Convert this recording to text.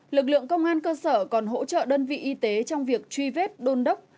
lực lượng công an cơ sở còn hỗ trợ đơn vị y tế trong việc truy vết đôn đốc